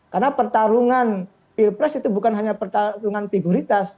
karena pertarungan pilpres itu bukan hanya pertarungan figuritas